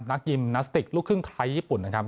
ยิมนาสติกลูกครึ่งไทยญี่ปุ่นนะครับ